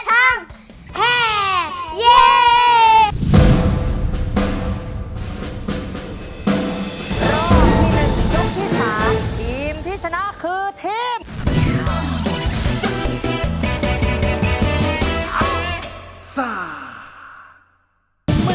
จากทีมเสือคนละทั้งแห่